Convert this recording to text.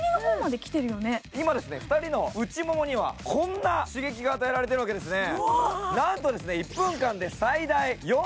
今、２人の内ももにはこんな刺激が与えられてるわけですね。